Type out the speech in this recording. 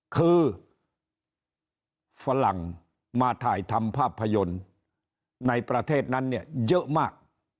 คือฝรั่งมาถ่ายทำภาพยนตร์ในประเทศนั้นเนี่ยเยอะมาก